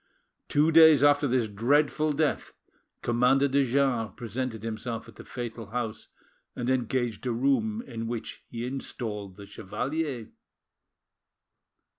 Two days after this dreadful death, Commander de Jars presented himself at the fatal house, and engaged a room in which he installed the chevalier.